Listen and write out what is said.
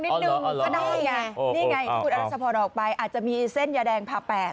นี่ไงนี่ไงคุณอาจารย์สะพอดออกไปอาจจะมีเส้นยาแดงพาแปบ